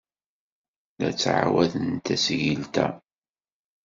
La d-ttɛawaden tasgilt-a.